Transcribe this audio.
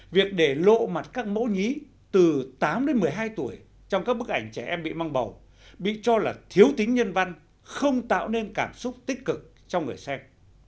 việc để lộ mặt các mẫu nhí từ tám đến một mươi hai tuổi trong các bức ảnh trẻ em bị mang bầu bị cho là thiếu tính nhân văn không tạo nên cảm xúc tích cực trong người xem